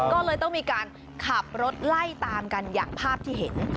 ก็เลยต้องมีการขับรถไล่ตามกันอย่างภาพที่เห็น